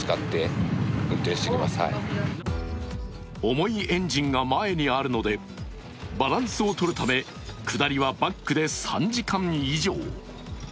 重いエンジンが前にあるのでバランスを取るため、下りはバックで３時間以上。